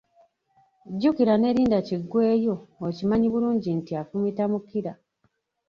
Jjukira ne linda kiggweeyo okimanyi bulungi nti afumita mukira.